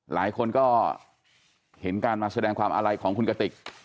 หลายคนก็เห็นการมาแสดงความอาลัยของคุณกติก